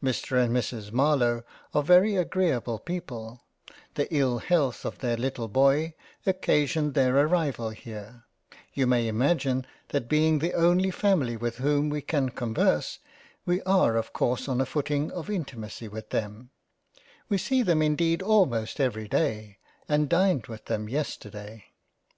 Mr and Mrs Marlowe are very agreable people ; the ill health of their little boy occasioned their arrival here; you may imagine that being the only family with whom we can converse, we are of course on a footing of intimacy with them ; we see them indeed almost every day, and dined with them yesterday.